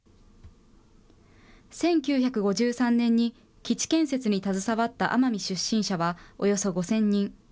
１９５３年に基地建設に携わった奄美出身者はおよそ５０００人。